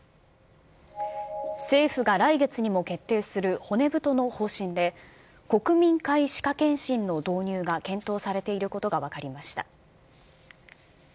政府が来月にもけっていするほねぶとのほうしんで国民皆歯科健診の導入が検討されていることが分かりました。